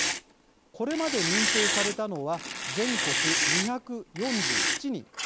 これまで認定されたのは全国２４７人。